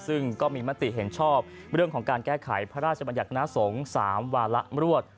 ซึ่งก็มีมติเห็นชอบเรื่องของการแก้ไขพระราชบัญญัติหน้าสงฆ์๓วาระรวด